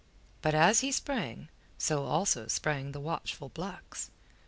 But as he sprang, so also sprang the watchful blacks.